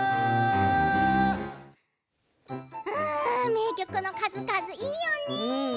名曲の数々いいよね。